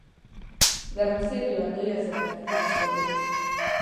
ګرمسیر یوه لویه زراعتي ولسوالۍ ده .